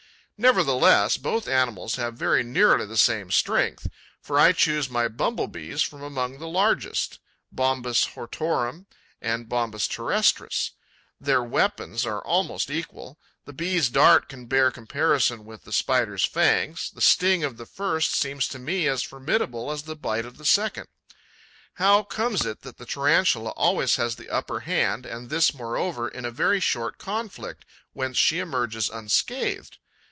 Nevertheless, both animals have very nearly the same strength; for I choose my Bumble bees from among the largest (Bombus hortorum and B. terrestris). Their weapons are almost equal: the Bee's dart can bear comparison with the Spider's fangs; the sting of the first seems to me as formidable as the bite of the second. How comes it that the Tarantula always has the upper hand and this moreover in a very short conflict, whence she emerges unscathed?